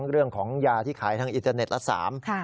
เรื่องของยาที่ขายทางอินเทอร์เน็ตละสาม